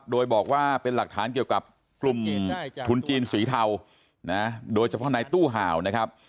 โดยบอกว่าเป็นหลักฐานเกี่ยวกับกลุ่มทุนจีนสีเทานะโดยเฉพาะในตู้ห่าวนะครับ